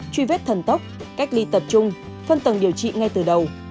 truy vết thần tốc cách ly tập trung phân tầng điều trị ngay từ đầu